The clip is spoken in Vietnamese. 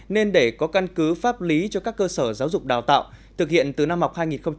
nên để có căn cứ pháp lý cho các cơ sở giáo dục đào tạo thực hiện từ năm học hai nghìn hai mươi hai nghìn hai mươi một